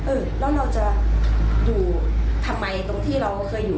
แล้วเราจะอยู่ทำไมตรงที่เราเคยอยู่